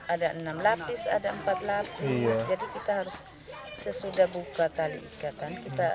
ada enam lapis ada empat lapis jadi kita harus sesudah buka tali ikatan kita